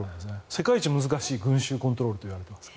世界一難しい群衆コントロールといわれています。